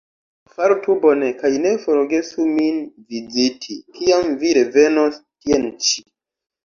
Fartu bone kaj ne forgesu min viziti, kiam vi revenos tien ĉi.